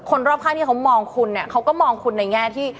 รอบข้างที่เขามองคุณเนี่ยเขาก็มองคุณในแง่ที่